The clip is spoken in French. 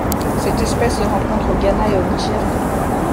Cette espèce se rencontre au Ghana et au Nigeria.